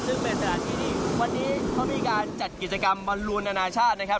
ซึ่งเป็นสถานที่ที่วันนี้เขามีการจัดกิจกรรมบอลลูนนานาชาตินะครับ